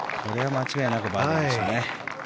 間違いなくこれはバーディーでしょうね。